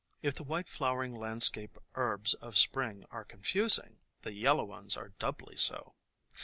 If the white flowering landscape herbs of Spring are confusing, the yellow ones are doubly so.